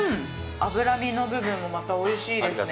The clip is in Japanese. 脂身の部分もまたおいしいですね。